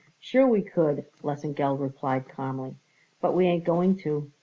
"Sure we could," Lesengeld replied calmly, "but we ain't going to.